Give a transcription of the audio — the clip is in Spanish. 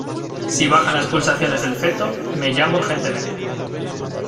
si bajan las pulsaciones del feto, me llama urgentemente.